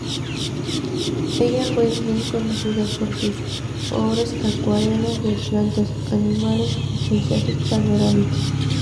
Ella fue bien conocida por sus obras acuarelas de plantas, animales, y paisajes panorámicos.